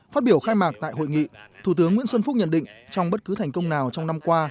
phát biểu khai mạc tại hội nghị thủ tướng nguyễn xuân phúc nhận định trong bất cứ thành công nào trong năm qua